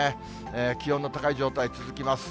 気温の高い状態続きます。